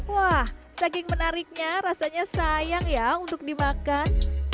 wah saking menariknya rasanya sayang ya untuk dimakan